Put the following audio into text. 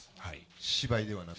芝居ではなく？